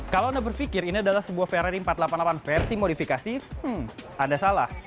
kalau anda berpikir ini adalah sebuah ferry empat ratus delapan puluh delapan versi modifikasi hmm anda salah